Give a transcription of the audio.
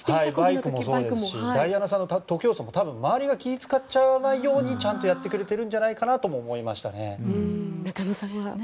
ダイアナさんの徒競走も多分、周りが気を使わないようにちゃんとやってくれているんじゃないかと思いますね。